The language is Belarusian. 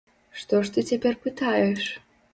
Што ж ты цяпер пытаеш!